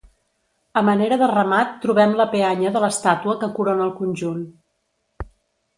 A manera de remat trobem la peanya de l'estàtua que corona el conjunt.